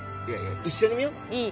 一緒に見よう。